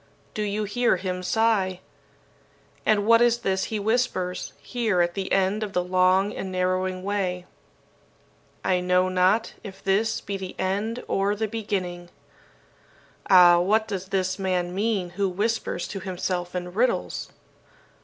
Do you hear him sigh? And what is this he whispers, here at the end of the long and narrowing way 'I know not if this be the end or the beginning!' Ah, what does this man mean who whispers to himself in riddles?